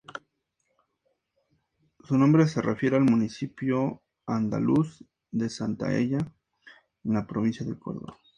Su nombre se refiere al municipio andaluz de Santaella, en la provincia de Córdoba.